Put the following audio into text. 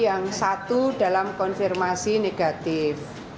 yang satu dalam konfirmasi negatif